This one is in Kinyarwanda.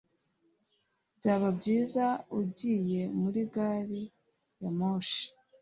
Byaba byiza ugiye muri gari ya moshi